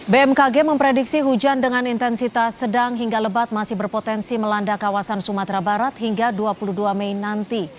bmkg memprediksi hujan dengan intensitas sedang hingga lebat masih berpotensi melanda kawasan sumatera barat hingga dua puluh dua mei nanti